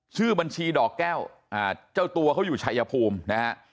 ชื่อบัญชีดอกแก้วเจ้าตัวเขาอยู่ชายภูมินะฮะ